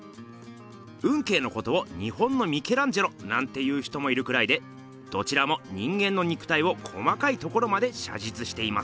運慶のことを「日本のミケランジェロ」なんて言う人もいるくらいでどちらも人間の肉体を細かいところまで写実しています。